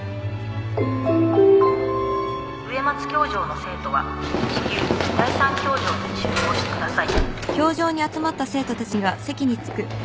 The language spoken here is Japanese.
植松教場の生徒は至急第３教場に集合してください。